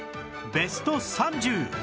ベスト ３０！